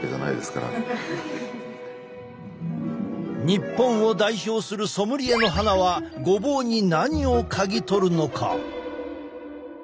日本を代表するソムリエの鼻はごぼうに何を嗅ぎ取るのか？